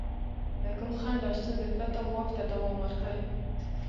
له کوم خنډ او ستونزې پرته واک ته دوام ورکړي.